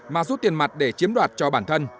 mà rút tiền mặt để chiếm đoạt cho bản thân